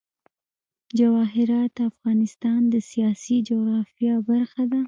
جواهرات د افغانستان د سیاسي جغرافیه برخه ده.